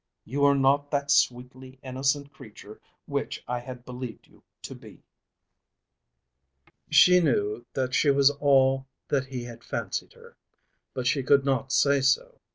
You are not that sweetly innocent creature which I have believed you to be." She knew that she was all that he had fancied her, but she could not say so.